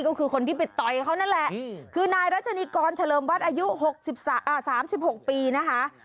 ก็คือคนที่ไปต่อยเขานั่นแหละคือนายรัชนีกรเฉลิมวัดอายุ๓๖ปีนะคะ